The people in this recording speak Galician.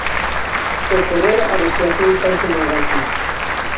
Ao correr, a respiración faise máis rápida.